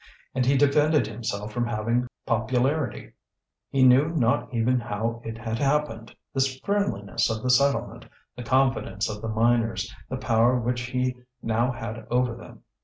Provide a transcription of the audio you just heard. And he defended himself from having ought popularity. He knew not even how it had happened, this friendliness of the settlement, the confidence of the miners, the power which he now had over them.